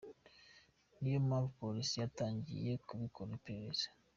Niyo mpamvu polisi yatangiye kubikoraho iperereza.